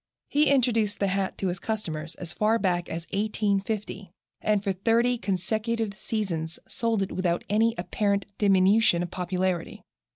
He introduced the hat to his customers as far back as 1850, and for thirty consecutive seasons sold it without any apparent diminution of popularity.